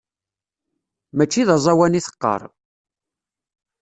Mačči d aẓawan i teɣɣar.